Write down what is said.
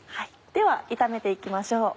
では炒めて行きましょう。